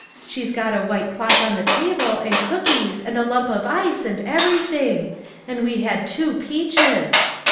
She's got a white cloth on the table, and cookies, and a lump of ice, and everything; and we had two peaches.